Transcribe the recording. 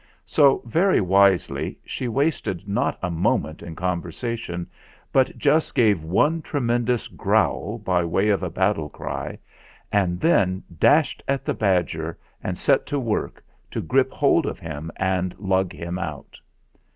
So, very wisely, she wasted not a moment in conversation; but just gave one tremendous growl by way of a battle cry, and then dashed at the badger and set to work to grip hold of him and lug him out.